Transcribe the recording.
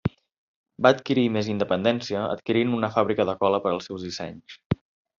Va adquirir més independència adquirint una fàbrica de cola per als seus dissenys.